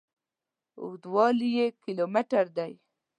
اوږدوالي یې کیلو متره دي.